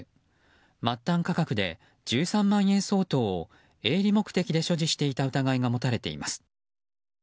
末端価格で１３万円相当を営利目的で所持していた疑いが持たれています。